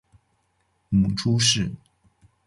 母朱氏。